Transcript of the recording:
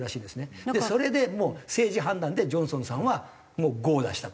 それでもう政治判断でジョンソンさんはもうゴーを出したと。